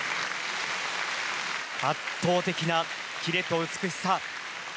圧倒的なキレと美しさ。